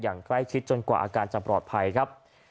อย่างใกล้ชิดจนกว่าอาการจะปลอดภัยครับ